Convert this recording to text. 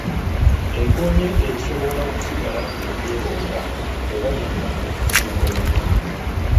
Ekoonye esobola okusigala ng'ekyebonga oba zonna okusirika omulundi gumu.